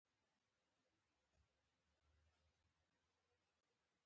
ایا زه باید ممپلی وخورم؟